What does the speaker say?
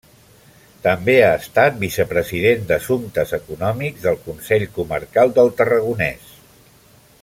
També ha estat vicepresident d'assumptes econòmics del Consell Comarcal del Tarragonès.